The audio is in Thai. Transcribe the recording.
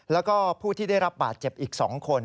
แล้วก็ผู้ที่ได้รับบาดเจ็บอีก๒คน